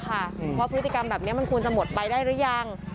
เพราะพฤติกรรมแบบนี้มันควรจะหมดไปได้หรือยัง